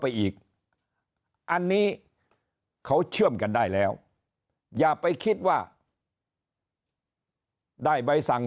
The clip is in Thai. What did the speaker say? ไปอีกอันนี้เขาเชื่อมกันได้แล้วอย่าไปคิดว่าได้ใบสั่ง